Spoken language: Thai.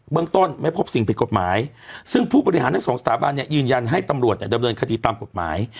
เรื่องต้นไม่พบสิ่งผิดกฎหมายซึ่งผู้บริหารทั้งสองสถาบันเนี่ยยืนยันให้ตำรวจดำเนินคดีตามกฎหมาย